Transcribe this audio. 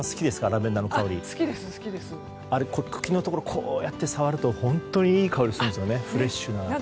茎のところ触ると本当にいい香りするんですよねフレッシュな。